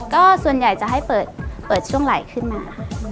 ก็ส่วนใหญ่จะให้เปิดช่วงไหลขึ้นมาค่ะ